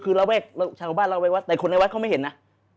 คือระแวกชาวบ้านระแวกวัดแต่คนในวัดเขาไม่เห็นนะ